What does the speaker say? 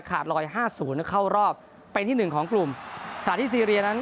ลอยห้าศูนย์เข้ารอบเป็นที่หนึ่งของกลุ่มขณะที่ซีเรียนั้น